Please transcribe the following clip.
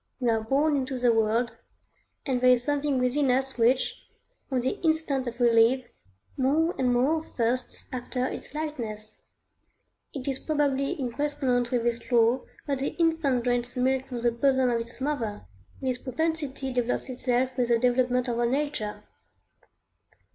We are born into the world, and there is something within us which, from the instant that we live, more and more thirsts after its likeness. It is probably in correspondence with this law that the infant drains milk from the bosom of its mother; this propensity develops itself with the development of our nature.